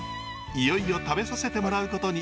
いよいよ食べさせてもらうことに。